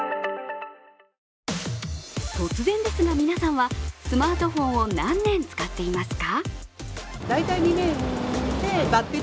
突然ですが、皆さんはスマートフォンを何年使っていますか？